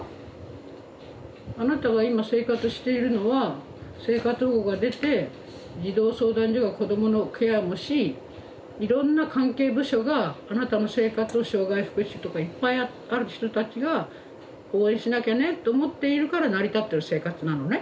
あなたが今生活しているのは生活保護が出て児童相談所が子どものケアもしいろんな関係部署があなたの生活を障害福祉とかいっぱいある人たちが応援しなきゃねと思っているから成り立ってる生活なのね。